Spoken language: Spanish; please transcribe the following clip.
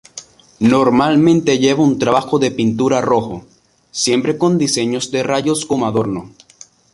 Normalmente lleva un trabajo de pintura rojo, siempre con diseños de rayos como adorno.